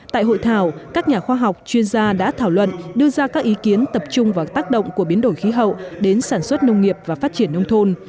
tại hội thảo các nhà khoa học chuyên gia đã thảo luận đưa ra các ý kiến tập trung vào tác động của biến đổi khí hậu đến sản xuất nông nghiệp và phát triển nông thôn